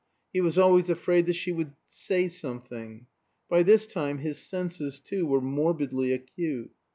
He was always afraid that she would "say something." By this time his senses, too, were morbidly acute.